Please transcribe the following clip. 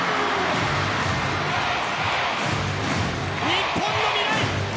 日本の未来。